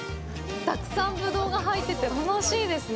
たくさんブドウが入ってて楽しいですね。